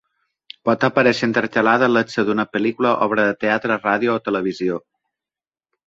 Pot aparèixer intercalada en l’acció d’una pel·lícula, obra de teatre, ràdio o televisió.